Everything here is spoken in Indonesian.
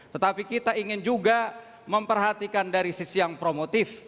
tetapi kita ingin juga memperhatikan dari sisi yang promotif